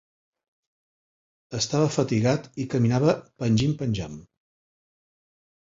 Estava fatigat i caminava pengim-penjam.